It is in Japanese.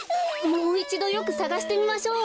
もういちどよくさがしてみましょう。